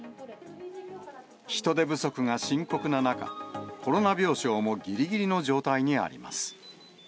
人手不足が深刻な中、コロナ病床もぎりぎりの状態にあります。